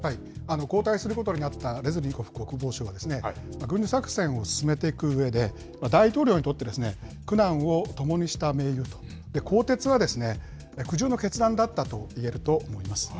交代することになったレズニコフ国防相は、軍事作戦を進めていくうえで、大統領にとって苦難を共にした盟友と、更迭は苦渋の決断だったといえると思います。